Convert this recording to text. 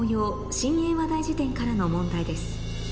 『新英和大辞典』からの問題です